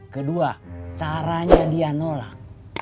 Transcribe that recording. kedua caranya dia nolak